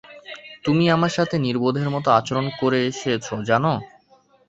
তুমি আমার সাথে নির্বোধের মত আচরণ করে এসেছো, জানো?